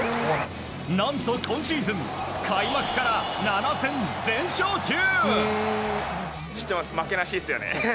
何と今シーズン開幕から７戦全勝中！